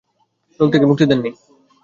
রোগ থেকে মুক্তি দেননি।